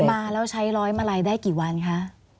มาแล้วใช้ร้อยมาลัยได้กี่วันคะ